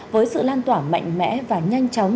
với sự lan tỏa mạnh mẽ và nhanh chóng